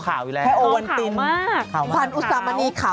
เป็นตั้ง